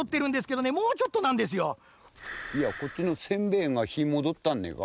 いやこっちのせんべいがひーもどったんねえか。